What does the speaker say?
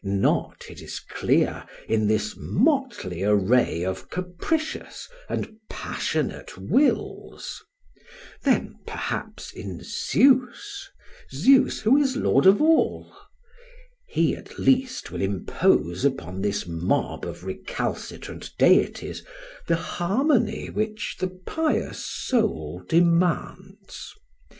Not, it is clear, in this motley array of capricious and passionate wills! Then, perhaps, in Zeus, Zeus, who is lord of all? He, at least, will impose upon this mob of recalcitrant deities the harmony which the pious soul demands.